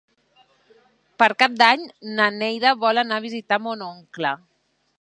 Per Cap d'Any na Neida vol anar a visitar mon oncle.